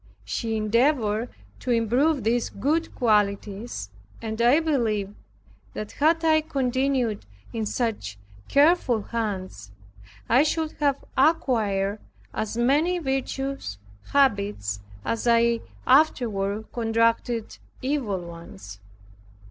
She endeavored to improve these good qualities, and I believe that had I continued in such careful hands, I should have acquired as many virtuous habits as I afterward contracted evil ones.